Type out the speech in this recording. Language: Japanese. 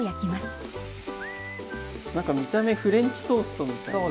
何か見た目フレンチトーストみたい。